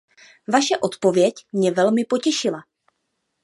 Vaše odpověď mě velmi potěšila.